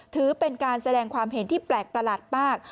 ถือเป็นการแสดงความเห็นที่แปลกประหลาดมาก